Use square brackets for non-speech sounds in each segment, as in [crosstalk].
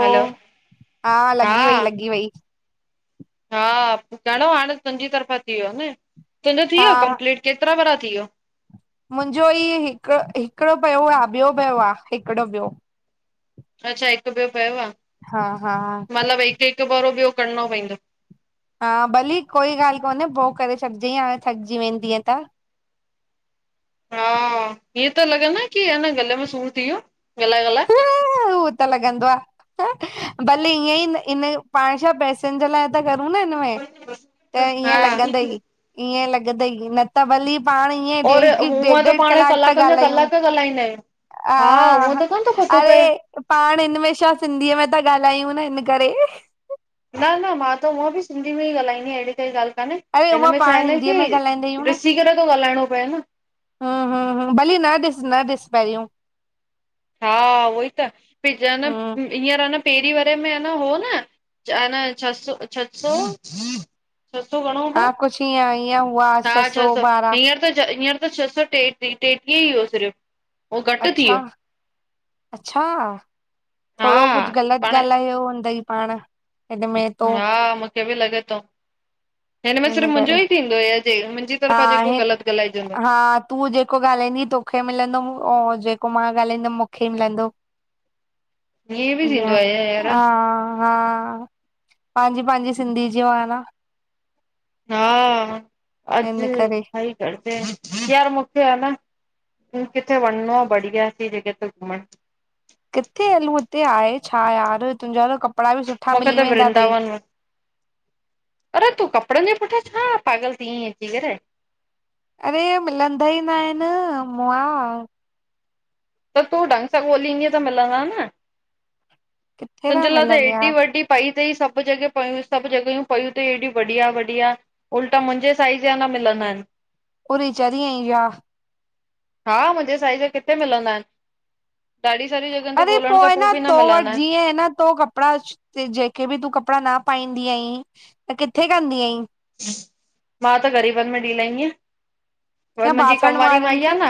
हलो, हा लगी वई लगी वई। हां चलो हाणे तुहिंजी तरफ़ा थी वयो न। तुहिंजो थी हा वयो कंप्लिट केतरा भेरा थी वियो। मुहिंजो ईय हिक हिकड़ो पयो आह, ॿयो पयो आह हिकड़ो ॿयो। अच्छा हिक्क ॿयो पयो आ। हा, हा मतिलब हिक हिक भेरो ॿयो करणो पऐंदो। हा भली कोई गाल कोन्हे पो करे छॾजई हाणे थकजी वेंदीअ त। हां हीअं तो लगे न कि अंन गले में सूर थी वयो ॻालाए-ॻालाए। हू त लगदों आ, भली ईअं ई इन्हें पाण छा पैसन जे लाय ता करूं न हिन में त ईंअ हा, लगंदई, ईंअं लग लगंदई न त भली पाण ईअं और वेही हिक हिक हूअं त ॾेढ-ॾेढ पाण कलाक ता कलाकनि जा गालायूं। कलाक ॻाल्हाईंदा आहियूं। हा, हूअं आहा त कोन थो पतो अरे पए। पाण हिंन में छा सिंधीअ में ता गालायूं न हिन करे। न-न मां त हूअ भी सिंधी में ही गालाईंदी आयां अहिड़ी काई गाल काने। अरे उमा हिनमें छा पाण आहे न हिंदीअ की, में ॻाल्हाईंदा ॾिसी करे थो गालाएणो पये न। ह, ह् ह भली न ॾिस न ॾिस पहरियूं। हा उहोई त् फिर चेन् हम्म हींअर अंन पेरीं वरे में अन हो न् अन छसो-छसौ छ़सौ घणो हो तिअ आया उ। हा छसौं, हींअर त हींअर त छसौं टेट टेटीह ई हो सिर्फ़। उहो घटि थी अच्छा वियो अच्छां हा थोड़ो कुछ गलत पाण गालायो हूंदई पाण। हिन में तो हा मूखे बि लगे तो हिन में सिर्फ़ मुंहजो ई थींदो या जे मुहिंजी हा तरफ़ा जेको हिन गलत गालाए जदो। हा तूं जेको ॻाल्हाईंदीअ तोखे मिलंदो हा जेको मां ॻाल्हाईंदमि मूंखे ई मिलंदो। ईअं बि इंय थींदो आहे यार हा हा पांजी पांजी सिंधीअ जो आ न। हा अॼु हिन करे सही [unintelligible] यार मूंखे आ न किथे वञणो आ बढ़िया सी जॻह ते घुमण। किथे हलूं हिते आहे छा यार तुंहिंजा त कपिड़ा बि सुठ मूंखे त वृंदावन अरे तूं कपिड़नि जे पुठियां छा पागल थी आईं अची करे। अरे मिलंदा ही न आहिनि मुआ। त तूं ढंग सां ॻोल्हींदीअ त मिलंदा न। किथे था तुंजे लाइ त मिलनि हेएॾी यार वॾी पई सभ जॻहियु पयूं सभ जॻहियुं पयूं तई हेॾी बढ़िया वढ़िया। उल्टा मुंहिंजे साइज़ जा न मिलंदा आहिनि। पूरी चरी आई छा? हा मुंहिंजे साईज जा किथे मिलंदा आहिनि? ॾाढी सारी जॻहियुनि ते अर पो, ॻोल्हण खां आहे पोइ न बि तो वटि मिलंदा आहिनि। जीअं आहे न तो कपिड़ा जेके बि तूं कपिड़ा न पाईंदी आहीं, त किथे कंदी आहीं? मां त ग़रीबनि में ॾई लाएंदी आहियाँ। या मुंहिंजी कम बासण वारी वारनि माई खे आ न,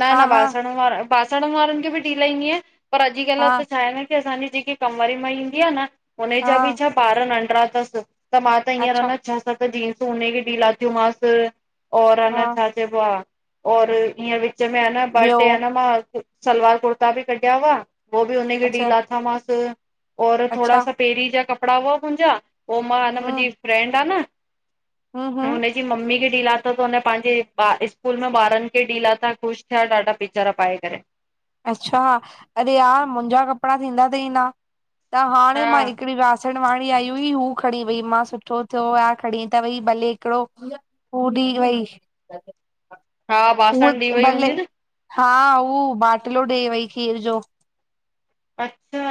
न हा न हा बासण वारा बासण वारनि खे बि डढीलाईंदी बासड़न वारन हा खे बि डिदी आहियां, बासड़ण वारन बासण वारन खे बी ॾई लाएंदी आहियां, पर अॼुकल्ह त छा आहे न की असांजी जेकी कम वारी माई ईंदी आ न उन हा जा बि छा ॿार नंढरा तसि, त मां त हींअंर अच्छा न छ सत जींसु उनखे ॾई लाथियूं मास और हे हा न छा चइबो आ और ईअ विच में आ न ॿ ॿियो ट्रे न मां सलवार कुर्ता बि कढिया हुआ, उहे बि उनखे ॾई अच्छा लाथा मांस और थोरा अच्छा सा पहिरीं जा कपिड़ा हुआ मुंहिंजा उ मां आ हम्म मुंहिंजी फ्रेंड आ न हम्म हम्म कि मम्मी खे ॾई लाथा त हुन पांजे स्कूल में ॿारनि खे ॾई लाथा ख़ुश थिया ॾाढा वेचारा पाए करे। अच्छा अरे यार मुंजा कपिड़ा थींदा तई न त हाणे हा मां हिकिड़ी बासण वारी आई हुई हू खणी वई मां सुठो थियो यार खणी त वई भले हिकिड़ो हू ॾई वई हा बासण ॾी उह वई भले हूंदी न हा उहो बाटलो ॾेई वई खीर जो। अच्छा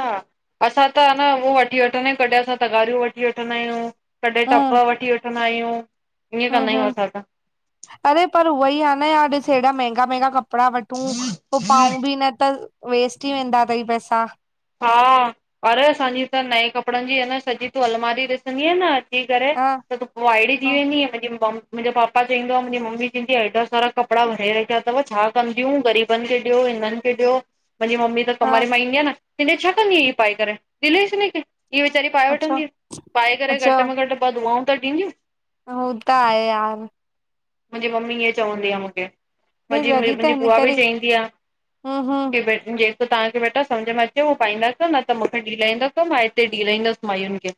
असां त हन उहो वठी वठंदा आहियूं, कॾहिं असां तगारियूं वठी वठंदा आहियूं कॾहिं टब हम्म वठी वठंदा आहियूं ईअं हम्म कंदा आहियूं हम्म असां त। अरे पर उह ई आ न यार ॾिस हेॾा महंगा मंहगा कपडा कपिड़ा वठूं पो पाऊं बि न त वेस्ट ई वेंदा तई पैसा। हा, अरे असांजी त नए कपिड़नि जी अ न सॼी तूं अलमारी ॾिसंदीअ न ॾिसी करे ह त तू उोइहिड़ी वेंदी मुंहिंजी ममी मुंहिंज वाइडी वाईडी थी वेंदिय मुहिंजो पापा चईंदा, मुंहिंजी मम्मी चईदी आ ऐॾा सारा कपिड़ा भरे रखिया तव छा कंदियूं ग़रीबनि खे ॾेियो, हिननि खे ॾियो। मुंहिंजी मम्मी त कम ह वारी मांई ईंदी आ न, चईंदी आ छा कंदी पाए करे ॾेस हिन खे। हिअं वेचारी पाए अच्छा वठंदीयू पाए करे घट में घट ॿ दुआऊं त ॾींदियूं। हुत आहे यार। मुंहिंजी मम्मी इअं चवंदी आहे मूंखे। मुंहिंजी, जॾहिं त मुंहिंजी हिन बुआ बि करे चईंदी आ हम्म हम्म की जेको तव्हांखे बेटा समझ में अचे पाईंदा न त मूंखे ॾई लाईंदा कयो मां हिते ॾई लाईंदसि माईयुनि खे।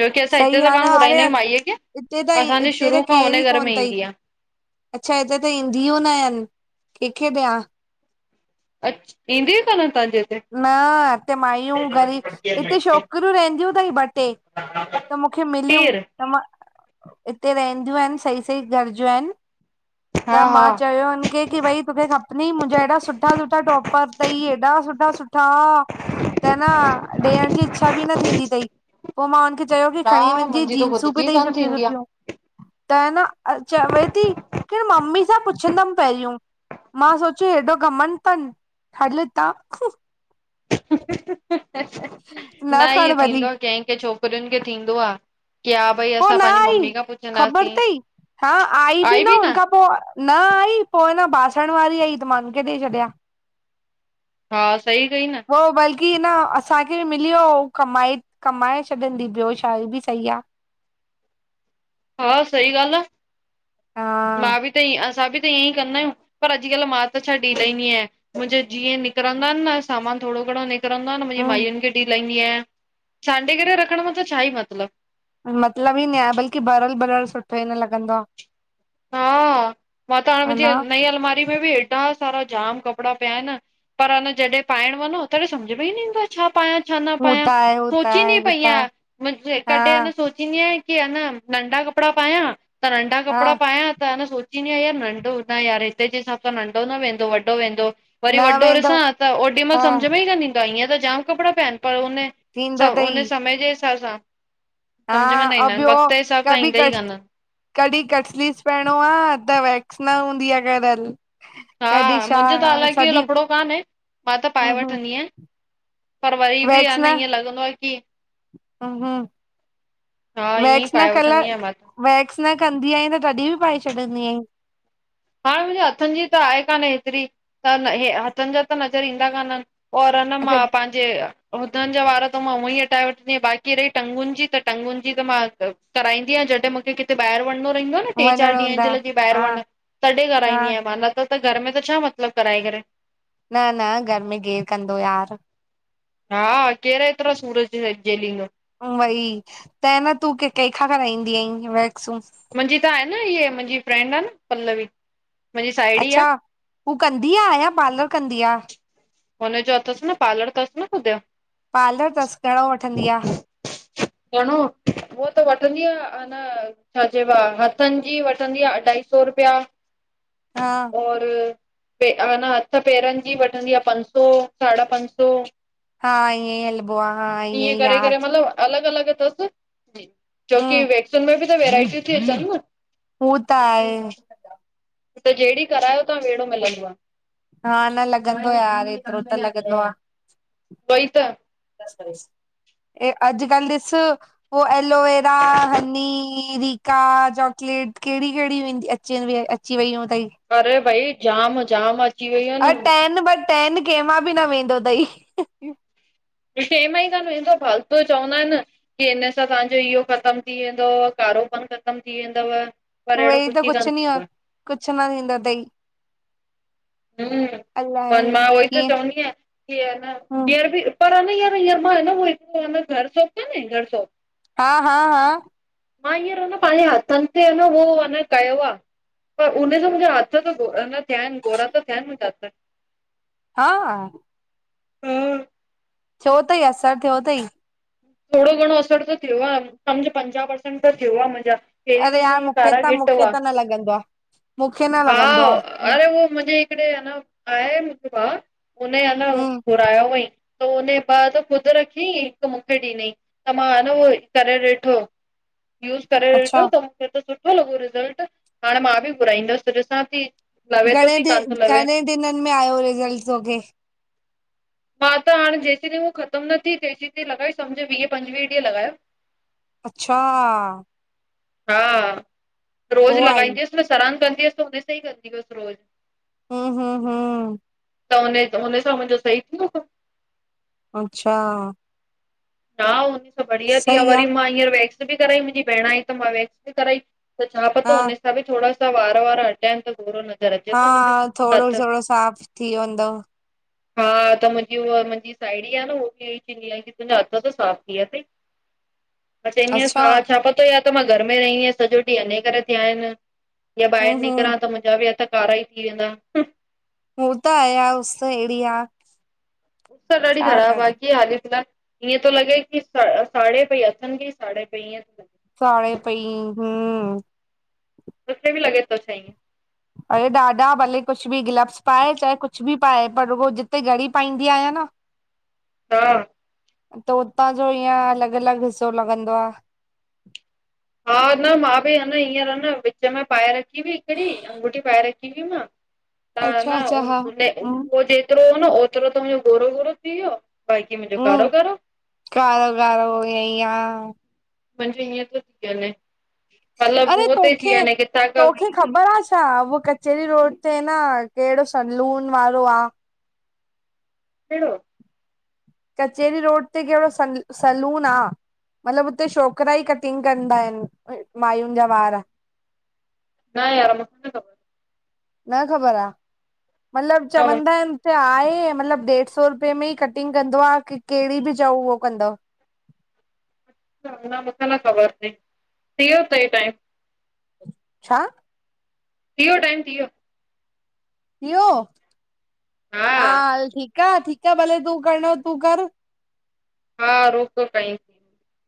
छोकी असां हिते सही त आहे न कोन्ह घुराईंदा अरे आहियूं माईअ खेे, हिते त असांजे हिते शुरू त खां केर हुन ई घर कोन में अथई ईंदी आ। अच्छा हिते त ईंदियूं न आहिन कंहिंखे ॾियां? अच्छ ईंदीयू कानन तव्हांजे इते? न हिते माइयूं ग़रीब हिते छोकिरियूं रहंदियूं थई ॿ टे। त मूंखे मिलियूं खीर त मां हिते रहंदियूं आहिन सही सही घर जूं आहिन त हा मां हा चयो हुनखे की भई तोखे खपनि? मुंहिंजा हेॾा सुठा सुठा टॉपर थई हेॾा सुठा ॾा सुठा त न ॾियण जी इच्छा बि न थींदी तई। पो मां हुनखे चयो की खणी हा वञीजाई मुंहिंजी त ख़ुद जींसूूं बि जी थई कान सुठियूं थींदी आ सुठियूं। त हन चवे थी के ममी सां पुछंदम पहिरियों। मां सोचियो हेॾो घमंड तन हल हितां। न इएं खण थींदो भली आ कें कें छोकिरियुनि खे थींदो आ। की हा भई पो असां न पंहिंजी आई मम्मी खां ख़बर पुछंदासीं थई हा आई बि न हुनखां पो न आई पो हन बासण वारी आई त मां हुन हुनखे ॾेई छॾियां। हा सईी कई न। उह बल्की न असांखे बि मिली वियो ऐं कमाए कमाए छॾींदी ॿियो छा हे बि सही आ। हा सही ॻाल्हि हा आ मां बि त ईअ असां बि त ईअं ई कंदा आहियूं। पर अॼकल्ह मां त छा ॾी लाईंदी आहियां मुंहिंजे जीअं निकिरंदा आहिन न सामान थोड़ो घणो निकरंदो आहे न मुंहिंजी हम्म मायूंन खे ॾीलाईंदी आहियां सांडे करे रखण मथ छा ई मतिलब। मतलब ई न आहे बल्कि ॿरियल ॿरियल सुठो ई न लॻंदो आ। हा मां त हाण आ ह न मुंहिंजी नईं अलमारी उए बि एॾा सारा जाम कपड़ा पिया आहिन पर न जॾहिं पाइण वञो त समझ में ई न ईंदो आए। छा पायां छां न हू त पायां आहे हू त आहे सोचिंदी हू पई त आहे आयां हा कॾे न सोच ई कि हन नंढा कपड़ा पायां त नंढा हा कपड़ा पायां त हन स जीअं यार नंढो त न यार हिते जे हिसाब सां नंढो न वेंदो वॾो वेंदो। वरी न वॾो वेंदो ॾिसां त ओॾी महिल हा सम्झ में ई कान ईंदा आहे इंअ त जाम कपिड़ा पिया आहिन पर उन थींदो चओ तई उन समय जे हिसाब सां हा सम्झ में न अउ ईंदा आहिनि ॿयो वक़्त जे हिसाब सां कभी ईंदा ई कान कट्स आहिनि। कॾहिं कट स्लीव्स पाइणो आ त वैक्स न हूंदी आहे करल। हा कॾहिं छा मुंहिंजो त हालां की सॼी लफड़ो कान्हे मां त पाए हम्म वठंदी आहियां। पर वरी बि आ न इअं लॻंदो आहे कि हम्म हम्म हा ईअं ई पाए वठंदी आहियां मां त वैक्स न कंदी अईत तॾी बि पाए छॾदीं अई। हा मुंहिंजे हथनि जी त आहे कान्ह हेतरी त न हे हथनि जा त नज़र ईंदा कान आहिन। और अ ना मा असां पन जे हुदन जा वार त मां उअं ई हटाए वठंदी आहियां बाक़ी रही टंगुन जी त टंगुन जी त मां कराईंदीयां जॾहिं मूंखे किथे ॿाहर वञणो रहंदो न टे वञिणो चारि ॾींहं हूंदा जे लाइ ॿाहिर हा वञण कॾे हा कराईंदी आहियां मां न त त घर में त छा मतलब कराए करे। न न घर में केर कंदो यार। हा केर एतिरा सूर जे जेलींदो। वई त न तूं के कंहिंखा कराईंदी आहीं वैक्सूं? मुंहिंजी त आहे न इह मुंहिंजी फ्रेंड आ न पल्लवी। मुंहिंजी साहेड़ी आहे अच्छा हू कंदी आ या पार्लर कंदी आ। हुनजो अथस न पार्लर तस न कुद जो। पार्लर तस घणो वठंदी आ? घणो उअ त वठंदी आ अन छा चइबो आ हथनि जी वठंदी आ अढाई सौ रुपया हा और पे हन हथ पेरनि जी वठंदी आ पंज सौ साढा पंज सौ हा ईअं ई हलबो आ हा ईअं ई करे आ करे मतलबु अलॻि अलॻि अथसि जी जो की हम्म वेक्सन में बि त वैरायटीयूं थीअचनि न हू त आहे त जहिड़ी करायो ता वेहिड़ो मिलंदो आ हा न लॻंदो यार एतिरो त लॻंदो आ ॿई त बस करेस हे अॼकल्ह ॾिस उ एलोवेरा हनी रिका चॉकलेट कहिड़ी कहिड़ी वेंदी अच अचनि अची वई यूं थई अरे बई ज़ाम ज़ाम अ टेन ब टेन कंहिंमा बि न वेंदो तई टेम ई कान वेंदो फालतू चवंदा आहिनि की हिन सां तव्हांजो इहो ख़तम थी वेंदो कारोपन ख़तम थी वेंदव पर अहिड़ो कुझु ई कान थींदो आ कुछु न थींदो तई हुम्मम पर मां अलाए उहो ई त कीअं चवंदी आहियां की हान हम्म केर बि पर आन हीयंर हीयंर मां हु हिकु हान घर शॉप काने घर शॉप हा हा हा मां हींअर न पंहिंजे हथनि ते न उहो आ न कयो आहे पर उने ॼो मुंहिंजा हथ गोरा थिया आहिनि गोरा त थिया मुंहिंजा हथ हा थियो अथई असरु थियो तयी? थोडो घणो असरु त थियो आहे समझि पंजाहु परसेंट त थियो आहे मुंहिंजा। पहिरें अरे त मुंहिंजे यार हीअ मूंखे कारा त टीट मूंखे हुआ त न लॻंदो आ मूंखे न हा, लॻंदो आ अरे उहो मुंहिंजे हिकिड़े आन आए मुंहिंजो भाउ हुन अञां हम्म घुरायो हुअईं। त हुन ॿ त ख़ुद रखी हिकु मूंखे मूंखे ॾिनई त मां हान उहो करे ॾिठो यूज करे अच्छा ॾिठो त छो त सुठो लॻो रिजल्ट हाणे मां बि घुराईंदसि ॾिसां थी लॻे थो घणे की ॾि कान थो लॻे। घणे ॾिननि में आयो रिजल्ट तोखे? मां त हाणे जेतिरी हू ख़तमु न थी तेसीं ताईं लगाई समझि वीहं-पंजवीह ॾींहं लॻायो। अच्छा हा, रोज़ पो आई लॻाईंदी हुअसि न सनानु कंदी हुअसि त हुन सां ई कंदी हुअसि रोज़। हममम त हुने हुने सां मुंहिंजो सही थी वयो सभु। अच्छा हा, हुन खां बढ़िया थी वया। सही आ वरी मां हेयर वैक्स बि कराई, मुंहिंजी भेण आई त मां वैक्स बि कराई। त छा हा पतो हुननि सां बि थोरा सा वार-वार हटियानि त थोरो लॻे। हा, थोरो-थोरो साफ़ थी वेंदो। हा, त मुंहिंजी उहा मुंहिंजी साहेड़ी आहे न उहो बि हीअई चवेंदी आहे की तुहिंजा हथु हथ त साफ थी वया अथई अच्छा हिनेसा छा पत तो या तो मां घर में रही आयां सॼो ॾींहुं हिन करे थी वया आहिनि या हूं ॿाहिरि हूं निकिरा त मुंहिंजा बि हथ कारा ही थी वेंदा हो त आहे, यार उस्स अहिड़ी आ। उस्स ॾाढी छा ख़राब आ, कर कीअं हाली फिलाल ईअं थो लॻे की साड़े पई अथनि की साड़े पई हअं थो लॻे। साडे पई हम्म। मूंखे बि लॻे थो चई। अरे ॾाढा भले कुछ बि ग्लब्स पाए चाहे कुछ बि पाए पर रुॻो जिते घड़ी पाईंदी आहियां न। [inaudible] हा त उतां जो ईअं अलॻि-अलॻि हिस्सो लॻंदो आ। हा न मां बि ही न हींअर न विच में पाए रखी हुई, हिकिड़ी अंगूठी पाए रखी हुई मां त, अच्छा न अच्छा हा हूं [unintelligible] ओतिरो न ओतिरो त मुंहिंजो गोरो-गोरो थी वियो, बाक़ी मुंजो कारो हूं कारो। कारो कारो ईअं हा। मुंहिंजो हीअ थो थी वञे अरे मतलब [unintelligible] थी तोखे वञे किथां खां तोखे ख़बर आ छा, उहो कचेरी रोड ते न कहिड़ो सलून वारो आ। कहिडो? कचेेरी रोड ते कहिडो सलून आ?। मतलब हुते छोकिरा ई कटिंग कंदा आहिनि, मायुनि जा वार। न यार मूंखे न खबर। न ख़बर आ? मतलब न मूंखे चवंदा आहिनि। त आहे मतलब ॾेढ सौ रुपये में ई कटिंग कंदो आ, की कहिड़ी बि चऊ उहो कंदो आ। न-न मूंखे न ख़बर तई, थी वियो तई टाइम? छा? थी वियो टाइम, थी वियो। थी वयो? हा, हल ठीक आ, ठीक आ भले तूं करणो तूं कर। हा, रूक कई।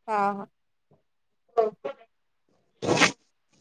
हा-हा। [unintelligible]